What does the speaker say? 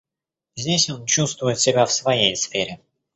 Здесь он чувствует себя в своей сфере.